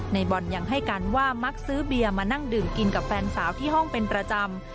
ในบอลยังให้การว่ามักซื้อเบียร์มานั่งดื่มกินกับแฟนสาวที่ห้องเป็นประจำ